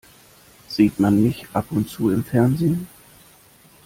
Sieht man mich ab und zu im Fernsehen?